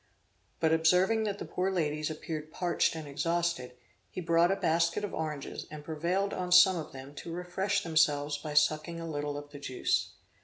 But observing that the poor ladies appeared parched and exhausted, he brought a basket of oranges and prevailed on some of them to refresh themselves by sucking a little of the juice.